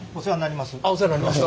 お世話になります。